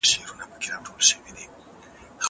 هغه وويل چي زه درس لولم!